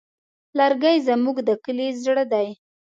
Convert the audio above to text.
لرګی زموږ د کلي زړه دی.